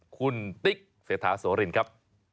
คุณติ๊กเศรษฐาโสรินครับ